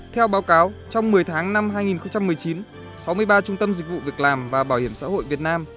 theo báo cáo trong một mươi tháng năm hai nghìn một mươi chín sáu mươi ba trung tâm dịch vụ việc làm và bảo hiểm xã hội việt nam